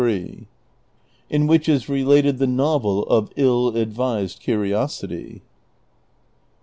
IN WHICH IS RELATED THE NOVEL OF " ILL ADVISED CURIOSITY."